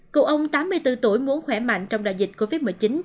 cậu ông tám mươi bốn tuổi muốn khỏe mạnh trong đại dịch covid một mươi chín